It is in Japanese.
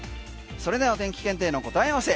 それではお天気検定の答え合わせ。